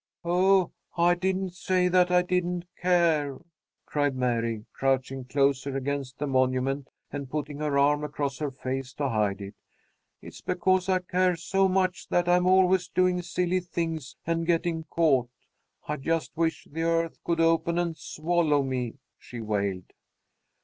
"Oh, I didn't say that I didn't care!" cried Mary, crouching closer against the monument, and putting her arm across her face to hide it. "It's because I care so much that I'm always doing silly things and getting caught. I just wish the earth could open and swallow me!" she wailed.